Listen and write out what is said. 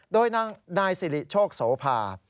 โดยนางนายสิริโชคโสภา